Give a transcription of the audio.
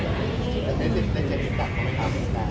ในเกณฑ์อินตรัสความรับใจ